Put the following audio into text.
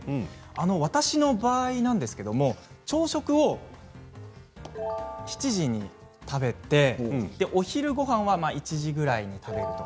私の場合ですが朝食を７時に食べてお昼ごはんは１時くらいに食べる。